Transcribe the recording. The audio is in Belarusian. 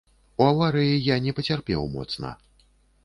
У аварыі я не пацярпеў моцна.